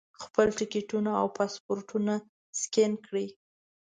خپل ټکټونه او پاسپورټونه سکین کړي.